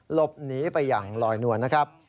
หลบหนีไปอย่างลอยนวลนะครับ